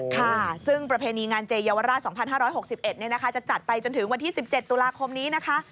ค่ะซึ่งประเพณีงานเจเยาวราช๒๕๖๑จะจัดไปจนถึงวันที่๑๗ตุลาคมนี้นะคะ